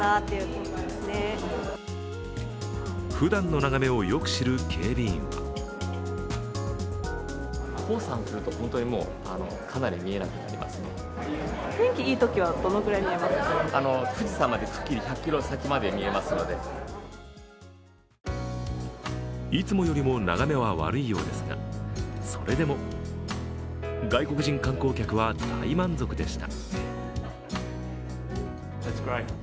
ふだんの眺めをよく知る警備員はいつもよりも眺めは悪いようですがそれでも外国人観光客は大満足でした。